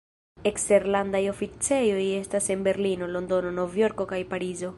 Eksterlandaj oficejoj estas en Berlino, Londono, Novjorko kaj Parizo.